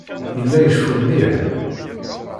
Yella iceffu mliḥ.